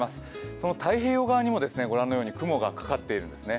その太平洋側にも、ご覧のように雲がかかっているんですね。